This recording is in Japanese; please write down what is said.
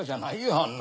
あんな